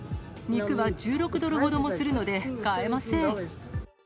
肉は１６ドルほどもするので買えません。